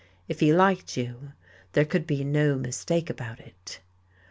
If he liked you, there could be no mistake about it.